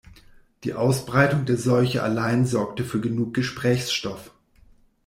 Die Ausbreitung der Seuche allein sorgte für genug Gesprächsstoff.